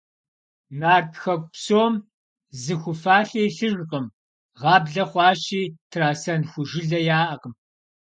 Нарт хэку псом зы ху фалъэ илъыжкъым, гъаблэ хъуащи, трасэн ху жылэ яӀэкъым.